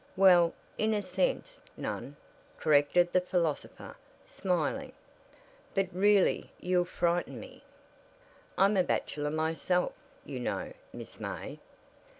"Well, in a sense, none," corrected the philosopher, smiling. "But really you'll frighten me. I'm a bachelor myself, you know, Miss May."